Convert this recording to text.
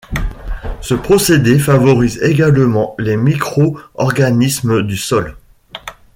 Ce procédé favorise également les micro-organismes du sol.